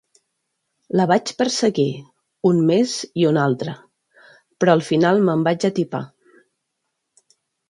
La vaig perseguir, un mes i un altre, però al final me'n vaig atipar.